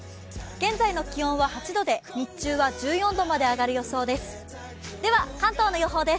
現在の気温は８度で、日中は１４度まで上がり予報です。